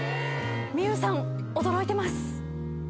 美憂さん驚いてます。